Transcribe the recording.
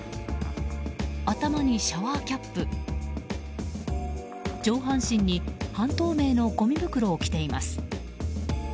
頭にシャワーキャップ上半身に半透明のごみ袋を着ています。